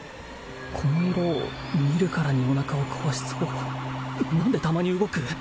この色見るからにおなかを壊しそう何でたまに動く？